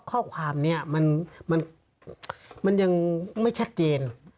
ข้อความนี้มันยังไม่ชัดเจน